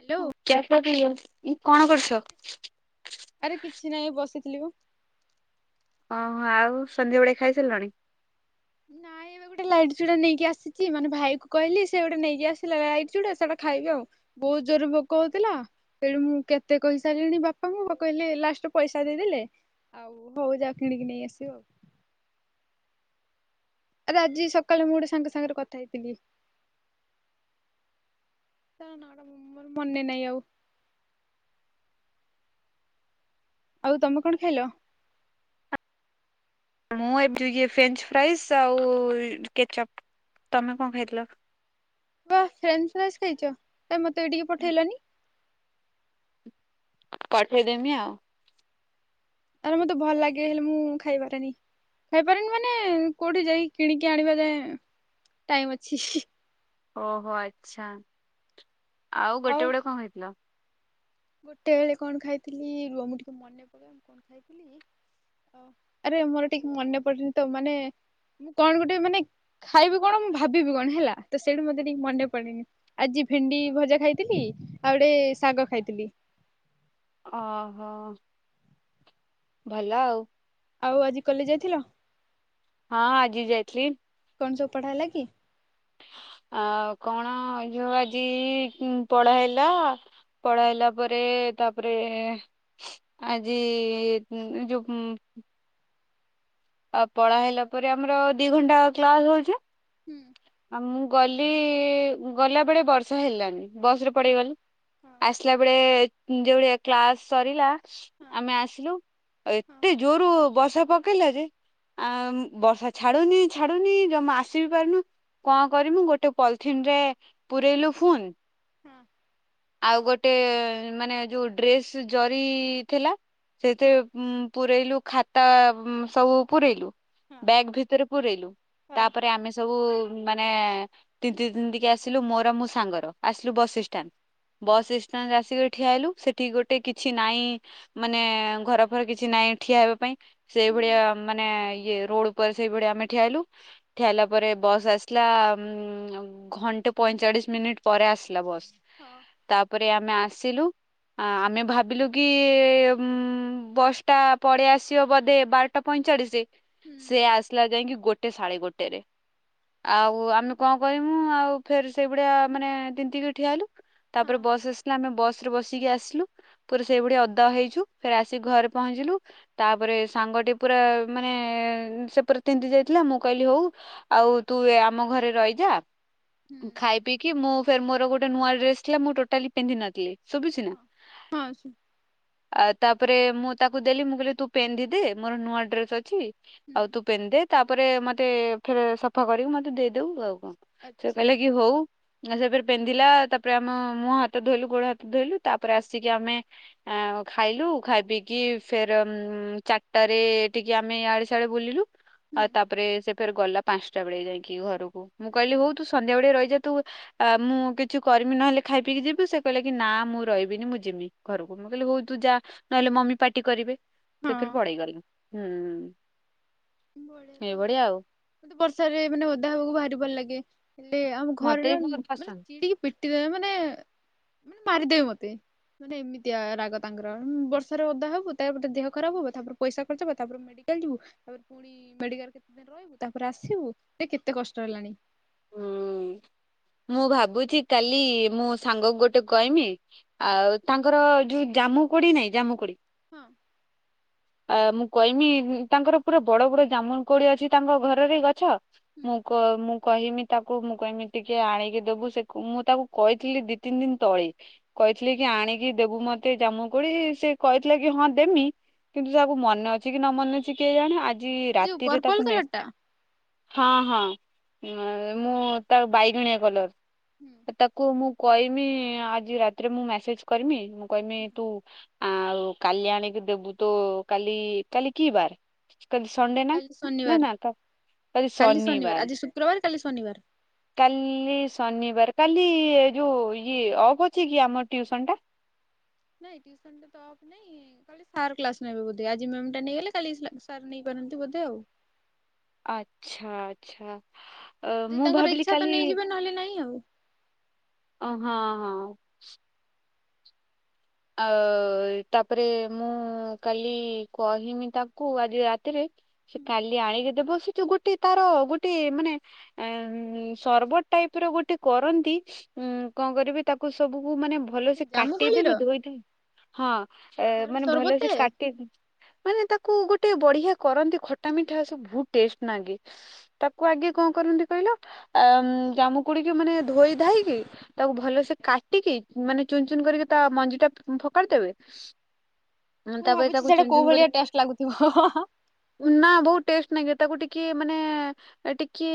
Hello. [unintelligible] କଣ କରୁଛ? ଲିଓ ଓହୋ ଆଉ ସନ୍ଧ୍ୟା ବେଳେ ଖାଇସାରିଲାଣି। ନାଇଁ ଏବେ ଗୋଟେ ଲାଇଟ୍ ଚୁଡା ନେଇକି ଆସିଛି ମାନେ ଭାଇ କହିଲି ମାନେ ଭାଇ କୁ କହିଲି ସେ ଗୋଟେ ନେଇକି ଆସିଲା ଲାଇଟ୍ ଚୁଡା ସେଇଟା ଖା ଖାଇବି ଆଉ ଆଉ ବହୁତ ଜୋରରେ ଭୋକ ହଉଥିଲା ତେଣୁ ମୁଁ କେତେ କହିସାରିଲିଣି ବାପାଙ୍କୁ ବା କହିଲେ ଲାଷ୍ଟ ପଇସା ଦେଇଦେଲେ ଆଉ ହଉ ଯା କିଣିକି ନେଇ ଆସେ ଆଉ। ଆରେ ଆଜି ସକାଳେ ମୁଁ ଗୋଟେ ସାଙ୍ଗ ସାଙ୍ଗରେ କଥା ହେଇଥିଲି। ତ ନଟା ମୋର ମନେ ନାହିଁ ଆଉ। ଆଉ ତମେ କଣ ଖାଇଲ? ମୁଁ ଏବେ ଯ ଫ୍ରେଞ୍ଚ ଫ୍ରାଇସ୍ ଆଉ କେଚପ୍। ତମେ କଣ ଖାଇଥିଲ? ବା ଫ୍ରେଞ୍ଚ ଫ୍ରାଇଜ୍ ଖାଇଛ ତମ୍ ମତେ ବି ଟିକେ ପଠେଇଲନି। ପଠେଇଦେମି ଆଉ। ଆରେ ମତେ ଭଲ ଲାଗେ ହେଲେ ମୁଁ ଖାଇବାରେନି। ଖାଇପାରନି ମାନେ କୋଉଠି ଯାଇି କିଣିକି ଆଣିବା ଯାଏ ଟାଇମ ଅଛି। ଓହୋ ଆଛା ଆଉ ଗୋଟେ ଆଉ ଗୁଟେ ବେଳେ କଣ ହେଇଥିଲ। ଗୋଟେ ବଳେ କଣ ଖାଇଥିଲି ରୁଆ ମୁଁ ଟିକେ ମନେ ପଡିବ ମୁଁ କଣ ଖାଇଥିଲି? ଓ ଆରେ ମୋର ଟିକେ ମନେ ପଡନି ତ ମାନେ ମୁଁ କଣ ଗୋଟେ ମାନେ ଖାଇବି କଣ ମୁଁ ଭାବିବି କଣ ହେଲା ତ ସେଇଠୁ ମତେ ଟିକେ ମନେ ପଡନି ଆଜି ଭେଣ୍ଡି ଭଜା ଖାଇଥିଲି ଆଉ ଗୋଟେ ଶାଗ ଖାଇଥିଲି। ଓହୋ ଭଲ ଆଉ। ଆଉ ଆଜି କଲେଜ ଯାଇଥିଲ? ହଁ ଆଜି ଯାଇଥିଲି। କଣ ସବୁ ପଢା ହେଲା କି? ଆ କଣ ଝୋଉ ଆଜି ପଢା ହେଲା ପଢ଼ାହେଲା ପରେ ତାପରେ ଆଜି ଯୋଉ [inaudible] ଆ ପଳା ହେଲା ପରେ ଆମର ଦି ଘଣ୍ଟା କ୍ଲାସ ହେଉଚି। ହୁଁ। ଆ ମୁଁ ଗଲି ଗଲାବେଳେବର୍ଷା ହେଲାନି। ବସ ରେ ହଁ ପଡେଇଗଲି ହଁ ଆସିଲା ବେଳେ ଯୋଉଭଳିଆ କ୍ଲାସ ସରିଲା। ଆମେ ଆସିଲୁ ଆଉ ହଁ ଏତେ ଜୋରୁ ବର୍ଷା ପକେଇଲା ଯେ ଆ ବର୍ଷା ଛାଡୁନି ଛାଡୁନି ଜମା ଆସି ବି ପାରୁନୁ। କଣ କରିମୁ ଗୋଟେ ପଲିଥିନରେ ପୁରେଇଲୁ ଫୁନ୍। ହଁ। ଆଉ ଗୋଟେ ମାନେ ଯୋଉ ଡ୍ରେସ୍ ଜରି ଥିଲା। ହଁ ସେଥିରେ ପୁରେଇଲୁ ଖାତା ସବୁ ପୁରେଇଲୁ। ହଁ ବ୍ୟାଗ ଭିତରେ ପୁରେଇଲୁ ହଁ ହଁ ତାପରେ ଆମେ ସବୁ ମାନେ ତିନ୍ତି ତିନ୍ତି କି ଆସିଲୁ ମୋର ଆଉ ମୋ ସାଙ୍ଗର ଆସିଲୁ ବସଷ୍ଟାଣ୍ଡ। ଆଚ୍ଛା ବସ୍ ଷ୍ଟାଣ୍ଡରେ ଆସିକି ଠିଆ ହେଲୁ। ସେଠି ଗୋଟେ କିଛି ନାଇଁ ମାନେ ଘର ଫର କିଛି ନାଇଁ ଠିଆ ହେବା ପାଇଁ। ସେଇ ହଁ ହୁଁ ଭଳିଆ ମାନେ ଇ ରୋଡ ଉପରେ ସେଇଭଳିଆ ଆମେ ଠିଆହେଲୁ ଠିଆଇଲା ପରେ ବସ ଆସିଲା ଉ ଘ ପଇଁଚାଳିଶ ମିନିଟ୍ ପରେ ଆସିଲା। ବସ୍ ହଁ ତାପରେ ଆମେ ଆସିଲୁ। ଆ ଆମେ ଭାବିଲୁ କି ବସ୍ ଟା ପଳେଇ ଆସିବ ବୋଧେ ବାରଟା ପଇଁ [unintelligible] ହୁଁ ସେ ଆସିଲା ଯାଇକି ଗୋଟେ ସାଢେ ଗୋଟେ ରେ। ଆଉ ଆମେ କଣ କରମୁ ଆଉ ଫେର ସେଇଭଳିଆ ମାନେ ତିନ୍ତିକି ଠିଆ ହେଲୁ। ତାପରେ ହଁ ବସ୍ ଆସିଲେ ଆମେ ବସ୍ ବସ୍ ରେ ବସିକି ଆସିଲୁ। ପୁଣି ଓଦା ହେଇଚୁ, ଫେରେ ଆସିକି ଘରେ ପହଞ୍ଚିଲୁ। ତାପରେ ସାଙ୍ଗ ଟି ପୁରା ମାନେ ସେ ପୁରା ତିନ୍ତି ଯାଇଥିଲା। ମୁଁ କହିଲି ହଉ ଆଉ ତୁ ଆମ ଘରେ ର ରହିଯା। ହୁଁ ଖାଇ ପିଇକି ମୁ ଫେର୍ ମୋର ଗୋଟେ ନୂଆ ଡ୍ରେସ ଥିଲା ମୁଁ ଟୋଟାଲି ପିନ୍ଧିନଥିଲି ସୁବୁଛି ନା ହଁ ହଁ ଶୁ ଆ ତାପରେ ମୁଁ ତାକୁ ଦେଲି ମୁଁ କହିଲି ତୁ ପେନ୍ଧି ଦେ ମୋର ନୂଆ ଡ୍ରେସ ଅଛି ହୁଁ ଆଉ ତୁ ପିନ୍ଧିଦେ ତାପରେ ମତେ ଫେରେ ସଫା କରିକି ମତେ ଦେଇଦବୁ ଆଉ। ସେ ଆଚ୍ଛା କହିଲେ କି ହଉ ସେ ଫେର୍ ପିନ୍ଧିଲା। ତାପ ତାପରେ ଆମ ମୁହଁ ହାତ ଧୋଇଲୁ ଗୋଡ ହାତ ଧୋଇଲୁ ତାପରେ ଆସିକି ଆମେ ଆ ଖାଇଲୁ ଖାଇ ପିକି ଫେର ଚାରିଟା ରେ ଟିକେ ଆମେ ଆଡେ ସିଆଡେ ବୁଲିଲୁ। ହୁଁ ଆଉ ତାପରେ ସେ ଗଲା ପାଞ୍ଚଟା ବେଳିଆ ଯାଇକି ଘରକୁ। ମୁଁ କହିଲି ଆଚ୍ଛା ହଉ ତୁ ସନ୍ଧ୍ୟା ବେଳେ ରହିଯା ତୁ ମୁଁ କିଛି କରିମି ନହେଲେ ଖାଇ ପିକି ଯିବୁ। ସେ କହିଲେ କି ନା ମୁଁ ରହିବିନି ମୁଁ ଯିମି ଘରକୁ। ମୁଁ କହିଲି ହଉ ତୁଯା ନହଲେ ମମି ପାଟି କରିବେ। ସେ ଫେରେ ହଁ। ପଳେଇ ଗଲା। ବଢିଆ ତ। ମତେ ବର୍ଷାରେ ମାନେ ଅଧା ହବାକୁ ଭାରି ଭଲ ଲାଗେ। ହେଲେ ଆମ ମତେ ଘରର ବି ବହୁତ ମାନେ ପସନ୍ଦ ଚିଡିକି ପିଟି ଦେବେ ମାନେ ମାନେ ମାରିଦେବେ ମତେ। ମାନେ ଏମିତିଆ ରାଗ ତାଙ୍କର ବର୍ଷାରେ ଓଦା ହବୁ ତାପରେ ଦେହ ଖରାପ ହବ ତାପରେ ପଇସା ଖର୍ଚ୍ଚ ହବ ତାପରେ ମେଡି ଯିବୁ, ତାପରେ ପୁଣି ମେଡିକାଲ କେତେ ଦିନି ରହିବୁ ତାପରେ ଆସିବୁ, ସେ କେତେ କଷ୍ଟ ହେଲାଣି। ହୁଁ ମୁଁ ଭାବୁଚି କାଲି ମୁଁ ସାଙ୍ଗକୁ ଗୋଟେ କହମି ହୁଁ ଆଉ ତାଙ୍କର ଯୋଉ ଜାମୁ କୋଳି ନାଇଁ ଜାମୁ କୋଳି [inaudible] ଆ ମୁଁ କହିମି ତାଙ୍କର ପୁରା ବଡ ବଡ ଜାମୁନ କୋଳି ଅଛି ତାଙ୍କ ଘରରେ ଗଛ। ହୁଁ ମୁଁ କ ମୁଁ କହିମି ତାକୁ ମୁଁ କହିମି ଟିକେ ଆଣିକି ଦବୁ ସେ ମୁଁ ତାକୁ କହିଥିଲି ଦି ତିନି ଦିନ ତଳେ। କହିଥିଲି କି ଆଚ୍ଛା ଆଣିକି ଦେବୁ ମତେ ଜାମୁ କୋଳି ସେ କହିଥିଲେ କି ହଁ ଦେମି। କିନ୍ତୁ ତାକୁ ମନେ ଅଛି କି ନ ମନେ ଅଛି କିଏ ଜାଣେ ଆଜି ସେ ଯୋଉ ରାତିରେ ପର୍ପଲ ତାକୁ ମେ କଲର ଟା? ହଁ ହଁ ମୁଁ ତା ବାଇଗଣିଆ କଲର ତାକୁ ମୁଁ କହିମି ଆଜି ରାତିରେ ମୁଁ ମେସେଜ କରିମି ମୁଁ କହମି ତୁ ଆଉ କାଲି ଆଣିକି ଦେବୁ ତ କାଲି। କାଲି କିିବାର? କାଲି ସଣ୍ଡେ ନା। କାଲି ନା ଶନିବାର ନା ତ କାଲି ଶନିବାର ଶନିିବାର। ଆଜି ଶୁକ୍ରବାର କାଲି ଶନିବାର। କାଲି ଶନିିବାର କାଲି ଯୋଉଁ ଇଏ ଅଫ୍ ଅଛି କି ଆମ ଟିଉସନ୍ ଟା। ନାଇଁ ଟ୍ୟୁସନ୍ ଟା ତ ଅଫ ନାହିଁ। କାଲି। ସାର୍ କ୍ଲାସ୍ ନେବେ ବୋଧେ। ଆଜି ମ୍ୟାମ୍ ତ ନେଇଗଲେ କାଲି ସାର୍ ନେଇପା ନ୍ତି ବୋଧେ ଆଉ। ଆଚ୍ଛା ଆଚ୍ଛା ଯଦି ମୁଁ ତାଙ୍କର ଭାବିଲି ଇଚ୍ଛା ତ କାଲି ନେଇଯିବେ ନହେଲେ ନାଇଁ ଆଉ ଓ ହଁ ହଁ। ଆ ତାପରେ ମୁଁ କାଲି କହିମି ତାକୁ ଆଜି ରାତିରେ ସେ କାଲି ଆଣିକି ଦେବ। ସେ ଯୋଉ ଗୋ ତାର ଗୋଟେ ମାନେ, ସର୍ବର ଟାଇପ୍ ର ଗୋଟେ କରନ୍ତି। କଣ କରିବେ ତାକୁ ସବୁକୁ ମାନେ ସେ ଭଲସେ ଜାମୁକୋଳିର କରିଦେବେ ଧୋଇ ଧୁଆଇ, ହଁ। ଏ ତାର ମାନେ ଭଲସେ ସର୍ବତେ କାଟି, ମାନେ ତାକୁ ତାକୁ ଗୋଟେ ବଢିଆ କରନ୍ତି, ଖଟା ମିଠା ସବୁ ବହୁତ ଟେଷ୍ଟ ନାଗେ। ତାକୁ ଆଗେ କଣ କରନ୍ତି କହିଲେ? ଆମ୍, ଜାମୁ କୋଳିକୁ ମାନେ ଧୋଇ ଧାଇକି, ତାକୁ ଭଲସେ କାଟିକି ମାନେ ଚୁ ଚୁନ୍ ଚୁନ୍, କରି ତା ମଞ୍ଜି ଟା ଫକାଡ଼ି ଦେବେ ହୁଁ ମୁଁ ତାପରେ ଭାବୁଛି ତାକୁ ସେଇଟା ଚୁନ୍, କୋଉ ଚୁନ୍ ଭଳିଆ ଟେଷ୍ଟ ଲାଗୁଥିବ। ହୁଁ ହୁଁ ହଁ। କରି-ନା ବୋହୁତ୍ ଟେଷ୍ଟ୍ ନାଗେ ତାକୁ ଟିକେ, ମାନେ ଟିକେ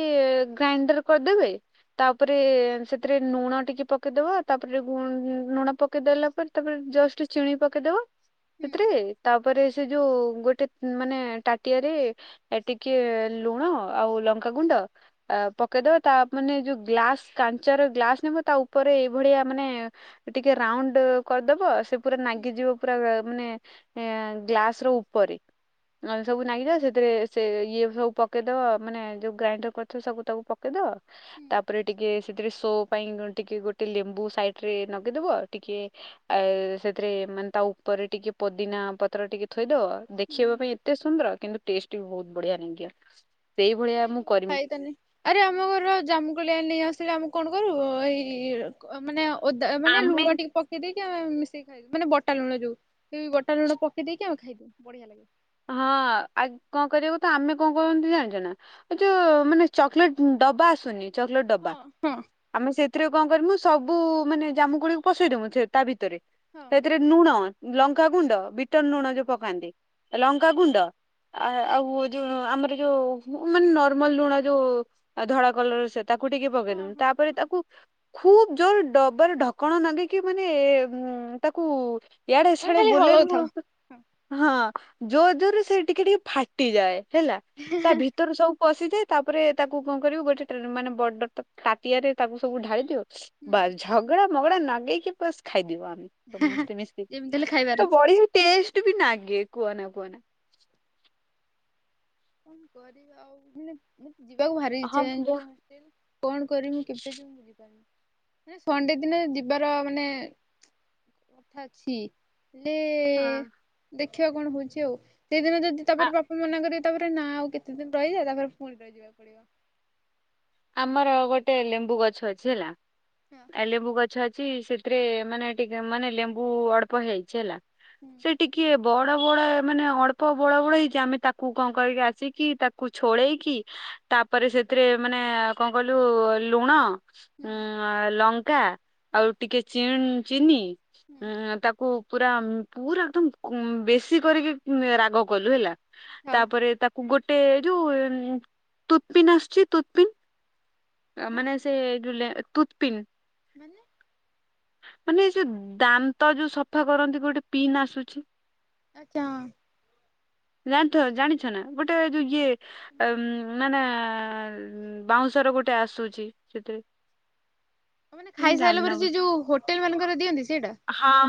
ଗ୍ରାଇଣ୍ଡର କରିଦେବେ ତାପରେ, ସେଥିରେ ଲୁଣ ଟିକେ ପକେଇ ଦବ ତାପରେ ଗୁ-ଲୁଣ ପକେଇଦେଲା ପରେ ତାପରେ ଜଷ୍ଟ ଚିନି ପକେଇଦବ। ସେଥିରେ ତା ତାପରେ ସେ ଯୋଉ ଗୋଟେ, ମାନେ ତାଟିଆରେ ଟିକେ ଲୁଣ, ଆଉ ଲଙ୍କା ତ ଗୁଣ୍ଡ, ଆ-ପକେଇଦବା ତା ମାନେ ଯୋଉ ଗ୍ଲାସ, କାଞ୍ଚାର ଗ୍ଲାସ ନେବା ତା ଉପରେ ଏଇଭଳିଆ ମାନେ ଟିକେ ରାଉଣ୍ଡ କରିଦବ ସେ ପୁରା ନାଗିଯିବ ପୁରା, ମାନେ ଏଁ-ଗ୍ଲାସ ର ଉପରେ। ନହେଲେ ସବୁ ନାଗିଯାଏ ସେଥିରେ ସେ ଇଏ ସବୁ ପକେଇଦବ, ମାନେ ଯୋଉ ଗ୍ରାଇଣ୍ଡର କରି ଥିବ, ସବୁ ତାକୁ ପକେଇଦବ। ହୁଁ ତାପରେ ଟିକେ ସେଥିରେ ସୋ ପାଇଁ କଣ ଟିକେ, ଗୋଟେ ଲେମ୍ବୁ ସାଇଡ ରେ ନଗେଇଦବ, ଟିକେ ଆଏ ସେଥିରେ, ମାନେ ତା ଉପରେ ଟିକେ ପୋଦିନା ପତ୍ର ଟିକେ ଥୋଇଦବ। ଦେଖିବା ହୁଁ ପାଇଁ ଏତେ ସୁନ୍ଦର, କିନ୍ତୁ ଟେଷ୍ଟ ବି ବହୁତ ବଢିଆ ନାଗୀବ। ନାଇଁ କେବେ ଖାଇଥାନି। ଆରେ ଆମ ଘରର ଜାମୁକଳି ରା ନେଇ ଆସିଲି ଆମକୁ କଣ କରୁ, ଏଇ ମାନେ ଓଦା, ମାନେ ଆମେ ଲୁଣ ଟିକେ ପକେଇ ଦେଇ କିଆ, ମିଶେଇି ଖାଉ, ମାନେ ବୋଟଲ ଲୁଣ ଯୋଉ, ସେ ବୋଟଲ ଲୁଣ ପକେଇ ଦେଇକି ଆମେ ଖାଇ ଦଉ, ବଢିଆ ଲାଗେ। ହଁ, ଆଜ୍ କଣ କରିବୁ ତ ଆମେ କଣ କରନ୍ତି ଜାଣିଛ ନା, ଯୋଉ ମାନେ ଚକୋଲେଟ୍ ଡବା ଆଶୁନି? ହଁ ହଁ। ଆମେ ସେଥିରେ କଣ କରିମୁ, ସବୁ ମାନେ ଜାମୁ କାଳିକୁ ପସେଇ ଦମୁ, ସେ ତା ଭିତରେ ହଁ ସେଥିରେ ଲୁଣ, ଲଙ୍କାଗୁଣ୍ଡ ବିଟ ଲୁଣ ଯୋଉ ପକାନ୍ତି, ଲଙ୍କାଗୁଣ୍ଡ ଆ-ଆଉ ଯୋଉ ଆମରି ଯୋଉ ମାନେ ନର୍ମାଲ ଲୁଣ ଯୋଉ, ଧଳା କଲର ସେ ତାକୁ ଟିକେ ହଁ ହଁ। ପକେଇଦେବୁ, ତାପରେ ତାକୁ ଖୁବ ଜୋରେ ଡବାରେ ଢକଣ ନଗେଇକି ମାନେ, ଏ ତାକୁ ଇଆଡେ ଆମେ ସିଆଡେ ଖାଲି ବୁଲେ ମୁଁ, ହଳଉଥାଉ। ହଁ ଜୋର ଜୋରେ ସେ ଟିକେ, ଟିକେ ଫାଟିଯାଏ। ହେଲା ତା ଭିତରୁ ସବୁ ପଶିଯାଏ। ତାପରେ ତାକୁ କଣ କରିବ ଗୋଟେ ଟ୍ରେ, ମାନେ ବଡତ ତାଟିଆରେ ତାକୁ ସବୁ ଢାଳି ଦିଉ, ହୁଁ। ବାଲ ଝଗଡା ମଗଡା ନଗେଇକି ବାସ୍ ଖାଇଦଉ ଆମେ। ସମସ୍ତେ ମିଶିକି, ଯେମିତି ହେଲେ ଖାଇବାର ଅଛି। ବଢ଼ିଆ ଟେଷ୍ଟ ଟୁବି ନାଗେ କୁହନା କୁହନା। କଣ କରିବା ଆଉ। ମାନେ, ମାନେ। ଯିବାକୁ ଭାରି ହଁ ଇଛା ମୁଁ ଜାଣିଛୁ ନା ବହୁ- ହଷ୍ଟେଲ। କଣ କରିମୁଁ କେବେ ଯିମୁଁ, ମୁଁ ବୂଝିପାରୁନି। ଆରେ ସଣ୍ଡେ ଦିନେ ଯିବାର ମାନେ, କଥା ଅଛି। ହେଲେ ହଁ। ଦେଖିବା କଣ ହଉଛି ଆଉ। ସେଇ ଦିନ ଯଦି, ଆ ତାପର ବାପା ମନା କରିବେ ତାପରେ ନା ଆଉ କେତେ ଦିନ ରହିଯା। ତାପରେ ଫୁଣି ରହିଯିବାକୁ ପଡ଼ିବ। ଆମର ଗୋଟେ ଲେମ୍ବୁ ଗଛ ଅଛି ହେଲା। ହଁ ଏ ଲେମ୍ବୁ ଗ ଛ ଅଛି, ସେଥିରେ ମାନେ ଟିକେ ମାନେ ଲେମ୍ବୁ ଅଳ୍ପ ହେଇଛି ହେଲା। ହୁଁ ସେ ଟିକିଏ ବଡ଼ ବଡ଼, ମାନେ ଅଳ୍ପ ବଡ଼, ବଡ଼ ହେଇଛି। ଆମେ ତାକୁ କଣ, କରକି ଆସିକି, ତାକୁ ଛଳେଇକି ତାପରେ ସେଥିରେ, ମାନେ କଣ କହିଲୁ ଲୁଣ ହୁଁ ଉଁ ଲଙ୍କା, ହଁ ଆଉ ଟିକେ ଚି-ଚିନି ହୁଁ ତାକୁ ପୁରା, ପୁରା ଏକଦମ ବେଶୀ କରିକି, ରାଗ କଲୁ ହେଲା। ହଁ ତାପରେ ତାକୁ ଗୋଟେ, ଯୋଉ ତୁଥପିନ୍ ଆସୁଛି ତୁଥପିନ୍? ଆ ହଁ ମାନେ ସେ ରିଲା ତୁଥପିନ୍ ମାନେ ମାନେ ଏ ଯୋଉ ଦାନ୍ତ ଯୋଉ ସଫା କରନ୍ତି ଗୋଟେ ପିନ୍ ଆସୁଛି। ଆଚ୍ଛା ହଁ। ରାଠର୍ ଜାଣିଛ ନା ଗୋଟେ ଏ ଯୋଉ ଇଏ ମାନେ [unintelligible] ବାଉଁଶର ଗୋଟେ ଆସୁଛି ସେଥିରେ ଆ ମାନେ ମୁଁ ଖାଇ ସାରିଲା ଜାଣିନ ପରେ ହଁ ସେ ଯୋଉ ହୋଟେଲ ମାନଙ୍କର ଦିଅନ୍ତି ସେଇଟା?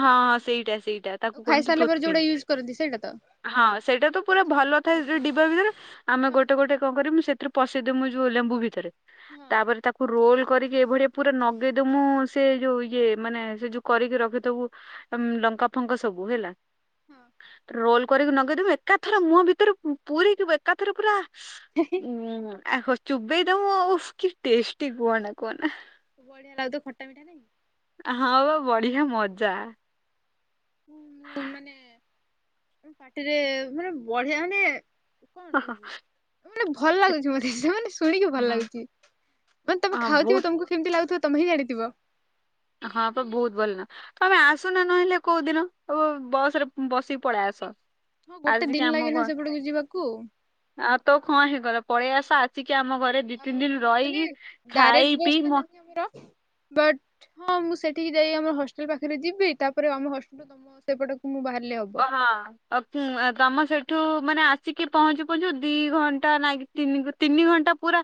ହଁ ହଁ ସେଇଟା ସେଇଟା ଆଉ ତାକୁ କୁହନ୍ତୁ ଖାଇସାରିଲା ପରେ ଯୋଉଟା ତୁଥପିନ୍। ୟୁଜ୍ କରନ୍ତି ସେଇଟା ତ? ହଁ ସେଇଟା ତ ପୁରା ଆଚ୍ଛା ଭଲ ଥାଏ ଡିବା ଭିତରେ ଆମେ ହଁ ହଁ ଗୋଟେ ଗୋଟେ କଣ କରିମୁ ସେଥିରୁ ପ୍ରସିଦ୍ଧ ମୁଁ ଯୋଉ ଲେମ୍ବୁ ଭିତରେ ହଁ ତାପରେ ତାକୁ ରୋଲ କରିକି ଏଇଭଳିଆ ପୁରା ନଗେଇଦ ମୁଁ ସେ ଯୋଉ ଇଏ ମାନେ ସେ ଯୋକ କରିକି ରଖିଥିବୁ ଲଙ୍କା ଫଙ୍କା ସବୁ ହେଲା। ହଁ ରୋଲ କରିକି ନଗେଇଦବୁ। ଏକାଥରେ ମୁହଁ ଭିତରେ ପୁରେଇକି ଏକାଥରେ ପୁରା ଉ ଆ ହ ଚୋବେଇ ଦବୁ କି ଟେଷ୍ଟି କୁହନା କୁହନା। ବଢିଆ ଲାଗୁଥିବ ଖଟା, ମିଠା ନାଇଁ? ହଁ ବା ବଢିଆ ମଜା। ହୁଁ, ମାନେ ପାଟିରେ ମାନେ ବଢିଆ ମାନେ କଣ ହଁ କହିବି? ମାନେ ଭଲ ଲାଗୁଛି ମତେ ସେ ଶୁଣିକି ଭଲ ହଁ ଲାଗୁଛି। ମାନେ ତମେ ଖାଉଥିବ ବହୁତ ତମକୁ କେମିତି ଲାଗୁଥିବ ତମେ ହିଁ ଜାଣିଥିବ? ହଁ ତ ବହୁତ ଭଲ ନା। ତମେ ଆ ଆସୁନା ନହେଲେ କୋଉ ଦିନ। ଆବ ବସ ରେ ବସିକି ପଳେଇ ଆସ। ହଁ ଗୋଟେ ଆସିକି ଦିନ ଆମ ଲାଗେ ନା ସେପଟକୁ ଯିବାକୁ ଘରେ--ଆଉ ତ କଣ ହେଇଗଲା ପଳେଇ ଆସ ଆ ଆମ ଘରେ ଦି, ଆଉ ତିନି ଦିନ ମାନେ ରହିକି ଡାଇରେକ୍ଟ ଖାଇ ବସ୍ ପିଇ ତ [inaudible] ବଟ୍, ହଁ ମୁଁ ସେଠିକି ଯାଇ ଆମର ହଷ୍ଟେଲ ପାଖରେ ଯିବି। ତାପରେ ଆମ ହଷ୍ଟେଲରୁ ତମ ସେପଟ ଓ ହଁ, ତମ ସେଇଠୁ ମାନେ ଆସିକି ପହଞ୍ଚୁ ପହଞ୍ଚୁ ଦି ଘଣ୍ଟା ନା, ତିନି ଘଣ୍ଟା ପୁରା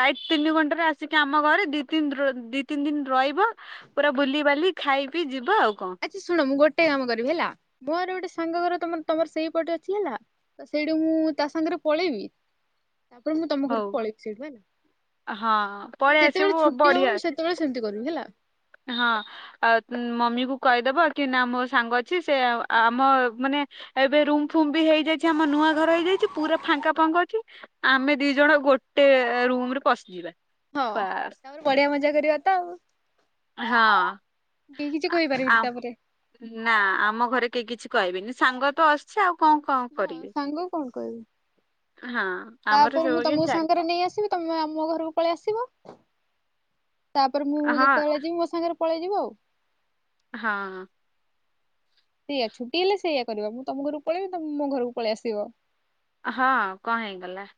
ରାଇଟ ତିନି ଘଣ୍ଟା ଘଣ୍ଟାରେ ଆସିକି ଆମ ଘରେ ଦି, ତିନି ଦିନ ରହିବ ପୁରା ବୁଲିିବାଲି ଖାଇ ପିଇ ଯିବ ଆଉ। କଣ ଆଚ୍ଛା ଶୁଣ, ମୁଁ ଗୋଟେ କାମ କରିବି ହେଲା ମୋର ଗୋଟେ ସାଙ୍ଗ ଘରେ ତମ ତମର ସେଇପଟେ ଅଛି ହେଲା ତ ସେଇଠି ମୁଁ ତା ସାଙ୍ଗରେ ପଳେଇବି ତାପରେ ମୁଁ ତମ ହଉ ଘରକୁ ପଳେଇବି ସେଇଠୁ ହେଲା। ହଁ ମାନେ ପଳେଇ ଆସିବୁ ଯେତେବେଳେ ଛୁଟି ହବ ବଢିଆ ମୁଁ ସେତେବେଳେ ସେମିତି କରିବି ହେଲା। ହଁ ଆଉ ମମି କୁ କହିଦବ କି ନା ମୋ ସାଙ୍ଗ ଅଛି ସେ ହଁ ଆମ ମାନେ ଏବେ ରୁମ ଫୁମ ବି ହେଇଯାଇଛି ଆମ ନୂଆ ଘର ହେଇଯାଇଛି ପୁରା ହଁ। ଫାଙ୍କା ଫାଙ୍କା ଅଛି, ଆମେ ଦି ଜଣ ଗୋଟେ ରୁମ ରେ ପଶିଯିବା। ହଁ, ବାସ୍ ତାପର ବଢିଆ ମଜା କରିବା ତ ଆଉ। ହଁ, କେହି କିଛି କହିପାରିବିନି ତାପରେ। ନାଁ ଆମ ଘରେ କେହି କିଛି କହିବେନି। ସାଙ୍ଗ ତ ଆସିଛି ଆଉ କଣ କଣ ହଁ କରିବେ? [unintelligible] ହଁ ଆମର ତାପରେ ମୁଁ ସବୁ କିଛି ତମକୁ ଚାଲି ସାଙ୍ଗରେ ନେଇ ଆସିବି ତମେ ଆମ ଘରକୁ ପଳେଇ ଆସିବ ତାପରେ ମୁଁ ହଁ ଯେତେବେଳେ ଯିବି ମୋ ସାଙ୍ଗରେ ପଳେଇ ଯିବ ଆଉ। ହଁ। ସେଇଆ ଛୁଟି ହେଲେ ସେଇଆ କରିବା ମୁଁ ତମ ଘରକୁ ପଳେଇବି ତମେ ମୋ ଘରକୁ ପଳେଇ ଆସିବ। ହଁ କଣ ହେଇଗଲା?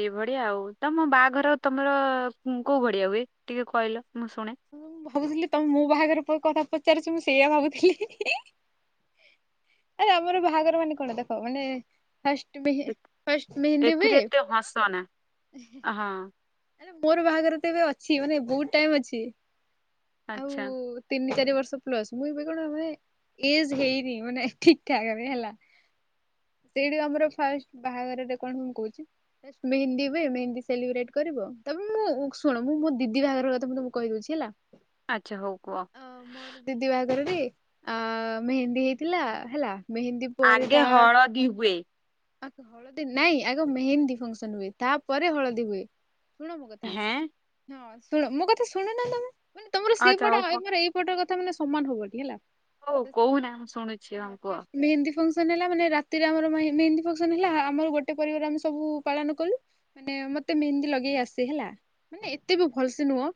ଏଇଭଳିଆ ଆଉ। ତମ ବାହାଘର ତମର କୋଉ ଭଳିଆ ହୁଏ ଟିକେ କହିଲ? ମୁଁ ଶୁଣେ। ମୁଁ ଭାବୁଥିଲି ତମ ମୋ ବାହାଘର କଥା ପଚାରୁଛି ମୁଁ ସେଇଆ ଭାବୁଥିଲି। ଆରେ ଆମର ବାହାଘର ମାନେ କଣ ଦେଖ ମାନେ ଫାଷ୍ଟ ମ ଏ- ଫାଷ୍ଟ ମେହେନ୍ଦି ଏଥିରେ ହୁଏ ଏତେ ହସନା ହଁ ମୋର ବାହାଘର ତ ଏବେ ଅଛି ମାନେ ବହୁତ ଟାଇମ ଅଛି। ଆଉ ଆଚ୍ଛା ତିନି, ଚାରି ବର୍ଷ ସେ ପ୍ଲସ୍ ମୁଇଁ ଏବେ କଣ ମାନେ ଏଜ୍ ହେଇନି ମାନେ ଠିକ୍ ଠାକ୍ ଏବେ ହେଲା। ସେଇଟୁ ଆମର ଫାଷ୍ଟ ବାହାଘରରେ କଣ ହୁଏ ମୁଁ କହୁଚି। ଫାଷ୍ଟ ମେହେନ୍ଦୀ ହୁଏ ମେହେନ୍ଦୀ ସେଲିବ୍ରେଟ କରିବ। ତମେ ମୁଁ ଶୁଣ ମୁଁ ମୋ ଦିଦି ବାହାଘର କଥା ମୁଁ ତମକୁ କହିଦଉଚି ହେଲା। ଆଚ୍ଛା ହଉ କୁହ। [unintelligible] ରେ ଆ ମେହେନ୍ଦୀ ହେଇଥିଲା ହେଲା ମେହେନ୍ଦୀ ପରେ ଆଗେ ତା ହଳଦୀ ହୁଏ ଆଗ ହଳଦୀ ନାଇଁ ଆଗ ମେହେନ୍ଦୀ ଫଙ୍କସନ୍ ହୁଏ। ତାପରେ ହଳଦୀ ହୁଏ। ଶୁଣ ମୋ କଥା ହେଁ ହଁ ଶୁଣ, ମୋ କଥା ଶୁଣୁନ ତମେ ମାନେ ତମର ଆଚ୍ଛା ସେଇପଟ ହଉ କୁହ। ଆମର ଏଇପଟ କଥା। ତା ମାନେ ସମାନ ହବଟି ହେଲା। ହଉ ତ ସେଇଟୁ ହଁ, କହୁନା ମୁଁ ଶୁଣୁଛି ହଁ କୁହ। ଲାଟେଷ୍ଟ ମେହେନ୍ଦୀ ଫଙ୍କସ୍ ସିଏ ନେଲା ମାନେ ରାତିରେ ଆମର ମେହେନ୍ଦୀ ହେଇନି। ଫଙ୍କସନ ହେଲା ଆମର ଗୋଟେ ପରିବାର ଆମେ ସବୁ ପାଳନ କଲୁ। ମାନେ ମତେ ମେହେନ୍ଦୀ ଲଗେଇ ଆସେ ହେଲା ମାନେ ଏତେ ବି ଭଲ ସେ ନୁହଁ।